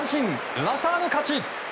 上沢の勝ち。